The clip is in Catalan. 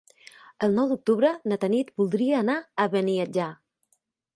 El nou d'octubre na Tanit voldria anar a Beniatjar.